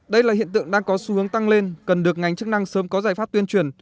đây là hiện tượng đang có xu hướng tăng lên cần được ngành chức năng sớm có giải pháp tuyên truyền